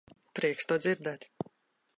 Prieks to dzirdēt.